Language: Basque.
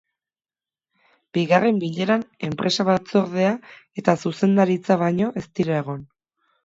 Bigarren bileran enpresa batzordea eta zuzendaritza baino ez dira egon.